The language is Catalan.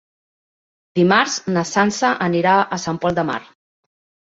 Dimarts na Sança anirà a Sant Pol de Mar.